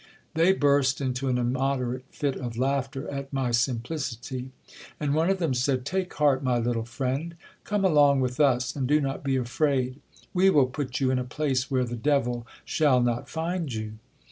They burst into an immoderate fit of laughter at my sim plicity ; and one of them said : Take heart, my little friend ; come along with us, and do not be afraid ; we will put you in a place where the devil shall not find you.